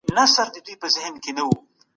ابن خلدون وايي، په دولت کي د ښځو رول ډېر مهم دی.